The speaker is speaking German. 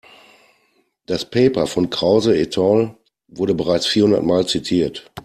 Das Paper von Krause et al. wurde bereits vierhundertmal zitiert.